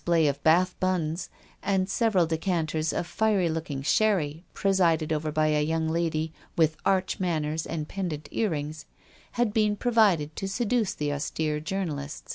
play of Bath buns, and several decanters of fiery looking sherry, presided over by a young lady with arch manners and pendant earrings, had been provided to seduce the austere journalist.